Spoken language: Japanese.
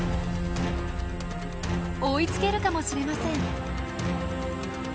追いつけるかもしれません。